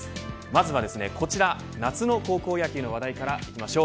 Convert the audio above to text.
まずはこちら夏の高校野球の話題です。